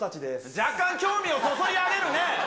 若干興味をそそられるね。